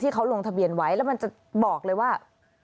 เขาลงทะเบียนไว้แล้วมันจะบอกเลยว่า